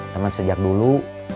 teman sejak dulu